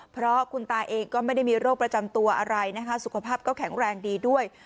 เพราะคุณตาเองก็ไม่ได้มีโรคประจำตัวอะไรนะคะสุขภาพก็แข็งแรงดีด้วย